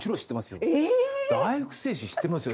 大福製紙知ってますよ！